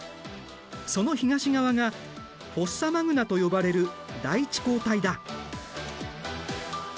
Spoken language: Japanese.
その東側がフォッサマグナと呼ばれる大地溝帯だ。